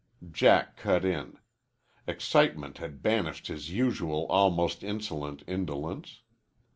Jack cut in. Excitement had banished his usual almost insolent indolence.